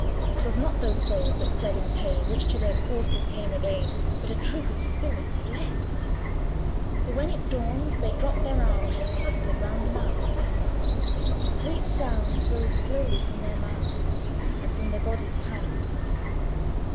'Twas not those souls that fled in pain, Which to their corses came again, But a troop of spirits blest: For when it dawned they dropped their arms, And clustered round the mast; Sweet sounds rose slowly through their mouths, And from their bodies passed.